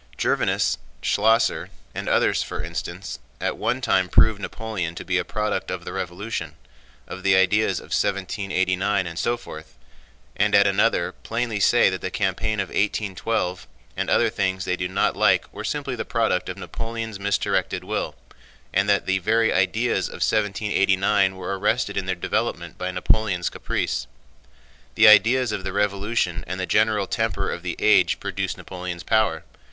Gervinus, Schlosser, and others, for instance, at one time prove Napoleon to be a product of the Revolution, of the ideas of 1789 and so forth, and at another plainly say that the campaign of 1812 and other things they do not like were simply the product of Napoleon's misdirected will, and that the very ideas of 1789 were arrested in their development by Napoleon's caprice. The ideas of the Revolution and the general temper of the age produced Napoleon's power.